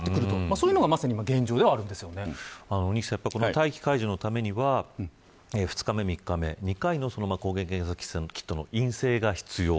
待機解除のためには２日目、３日目、２回の抗原検査キットの陰性が必要。